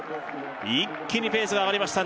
一気にペースが上がりました